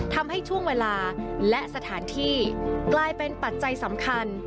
ทำให้ช่วงเวลาและสถานที่กลายเป็นปัจจัยสำคัญ